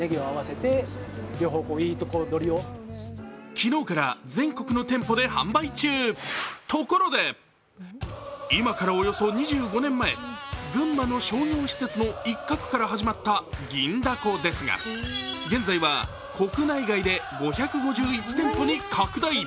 昨日から全国の店舗で販売中、ところで、今からおよそ２５年前、群馬の商業施設の一角から始まった銀だこですが、現在は国内外で５５１店舗に拡大。